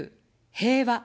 平和。